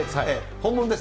本物です。